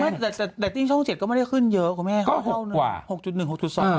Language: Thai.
แต่เรตติ้งช่อง๗ก็ไม่ได้ขึ้นเยอะกว่าแม่เขาเท่านั้น